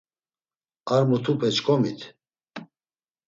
Ar mutupe ç̌ǩomit.